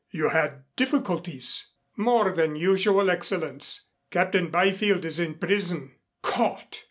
"You had difficulties?" "More than usual, Excellenz. Captain Byfield is in prison." "Caught!"